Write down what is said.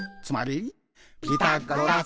「つまり、」